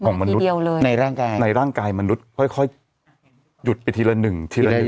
ในร่างกายมนุษย์ค่อยหยุดไปทีละหนึ่ง